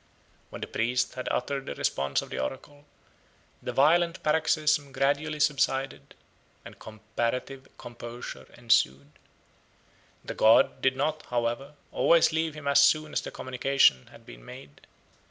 When the priest had uttered the response of the oracle, the violent paroxysm gradually subsided, and comparative composure ensued. The god did not, however, always leave him as soon as the communication had been made.